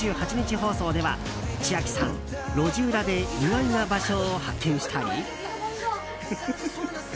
放送では千秋さん、路地裏で意外な場所を発見したり。